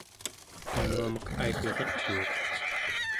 unuamek Aipiritnguuq